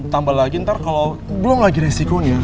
tambah lagi ntar kalo belum lagi resiko nih ya